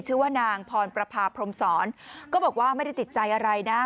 ชื่อว่านางพรประพาพรมศรก็บอกว่าไม่ได้ติดใจอะไรนะ